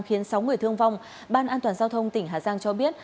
khiến sáu người thương vong ban an toàn giao thông tỉnh hà giang cho biết